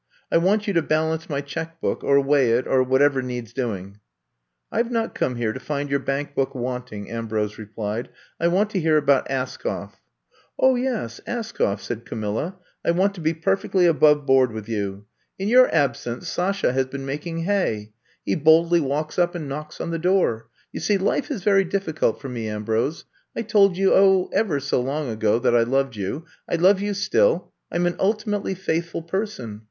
I want you to bal ance my check book or weigh it or what ever needs doing. '' I Ve not come here to find your bank book wanting, '' Ambrose replied. I want to hear about Askoff." 0h, yes, Askoff," said Camilla. *^I want to be perfectly above board with you. 895346A 100 I'VE COMB TO STAY In your absence Sasha has been making hay. He boldly walks up and knocks on the door. You see, life is very diflBcult for me, Ambrose. I told you, oh, ever so long ago that I loved you. I love you still. I 'm an ultimately faithful person.